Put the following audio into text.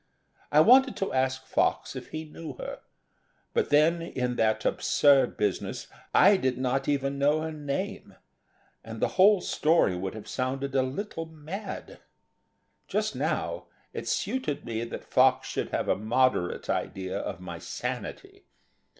I wanted to ask Fox if he knew her. But, then, in that absurd business, I did not even know her name, and the whole story would have sounded a little mad. Just now, it suited me that Fox should have a moderate idea of my sanity.